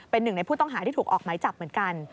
เป็นหนึ่งในผู้ต้องหาที่ถูกออกหมายจับเหมือนกัน